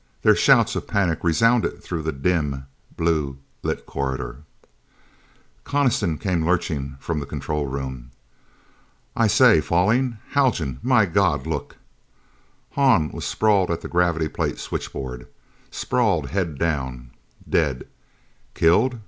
Their shouts of panic resounded through the dim, blue lit corridors. Coniston came lurching from the control room. "I say falling! Haljan, my God, look!" Hahn was sprawled at the gravity plate switchboard. Sprawled, head down. Dead. Killed?